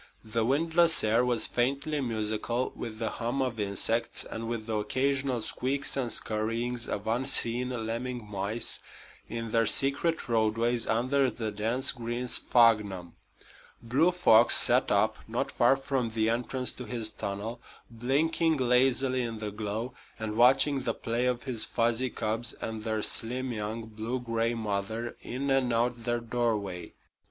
The windless air was faintly musical with the hum of insects and with the occasional squeaks and scurryings of unseen lemming mice in their secret roadways under the dense green sphagnum. Blue Fox sat up, not far from the entrance to his tunnel, blinking lazily in the glow and watching the play of his fuzzy cubs and their slim, young, blue gray mother in and out their doorway.